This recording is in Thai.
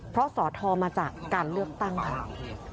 เพราะสอทอมาจากการเลือกตั้งค่ะ